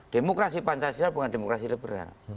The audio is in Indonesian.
demokrasi pancasila bukan demokrasi liberal